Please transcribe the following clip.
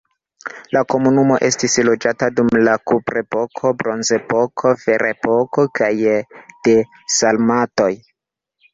La komunumo estis loĝata dum la kuprepoko, bronzepoko, ferepoko kaj de sarmatoj.